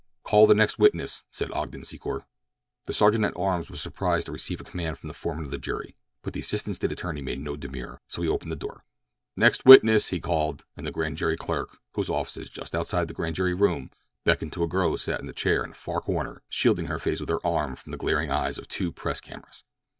"Call the next witness," said Ogden Secor. The sergeant at arms was surprised to receive a command from the foreman of the jury, but the assistant State attorney made no demur, so he opened the door. "Next witness!" he called, and the grand jury clerk, whose office is just outside the grand jury room, beckoned to a girl who sat in a chair in the far corner shielding her face with her arm from the glaring eyes of two press cameras.